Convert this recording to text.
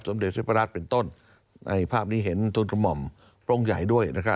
สมเด็จพระราชเป็นต้นในภาพนี้เห็นทุนกระหม่อมพรงใหญ่ด้วยนะครับ